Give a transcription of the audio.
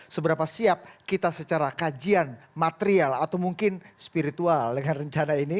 seberapa siap kita secara kajian material atau mungkin spiritual dengan rencana ini